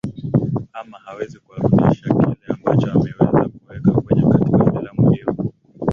ama hawezi kuwarudishia kile ambacho ameweza kuweka kwenye katika filamu hiyo